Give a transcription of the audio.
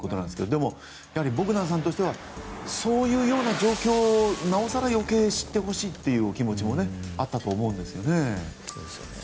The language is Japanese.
でも、ボグダンさんとしてはそういうような状況をなおさら余計知ってほしいというお気持ちもあったと思うんですよね。